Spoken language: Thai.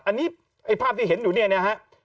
อันนี้ไอ้ภาพที่เห็นอยู่เนี่ยนะฮะ